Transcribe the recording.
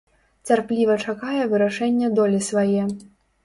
Цярпліва чакае вырашэння долі свае.